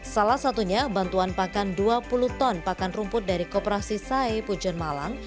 salah satunya bantuan pakan dua puluh ton pakan rumput dari koperasi sai pujon malang